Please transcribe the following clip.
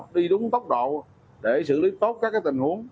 đi đúng tốc độ để xử lý tốt các tình huống